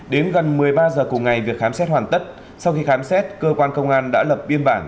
đến gần một mươi ba h cùng ngày việc khám xét hoàn tất sau khi khám xét cơ quan công an đã lập biên bản